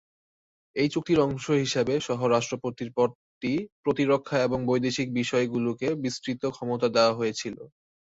এই চুক্তির অংশ হিসাবে, সহ-রাষ্ট্রপতির পদটি প্রতিরক্ষা এবং বৈদেশিক বিষয়গুলিকে বিস্তৃত ক্ষমতা দেওয়া হয়েছিল।